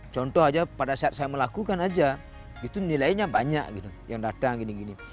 contoh aja pada saat saya melakukan aja itu nilainya banyak gitu yang datang gini gini